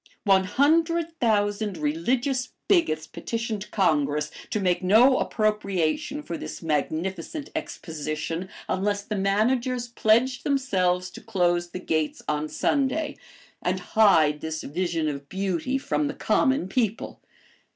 One hundred thousand religious bigots petitioned Congress to make no appropriation for this magnificent Exposition, unless the managers pledged themselves to close the gates on Sunday, and hide this vision of beauty from the common people.